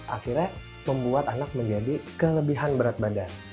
akhirnya membuat anak menjadi kelebihan berat badan